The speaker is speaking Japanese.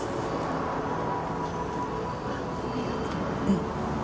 うん。